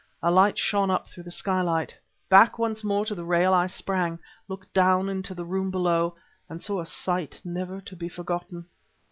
A light shone up through the skylight. Back once more to the rail I sprang, looked down into the room below and saw a sight never to be forgotten.